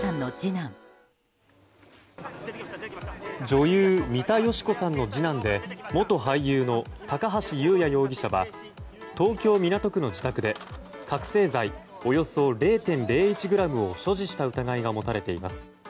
女優・三田佳子さんの次男で元俳優の高橋祐也容疑者は東京・港区の自宅で覚醒剤およそ０．０１ｇを所持した疑いが持たれています。